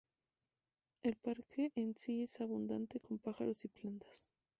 El parque en sí es abundante con pájaros y plantas.